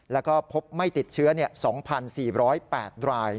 แล้วก็พบไม่ติดเชื้อ๒๔๐๘ราย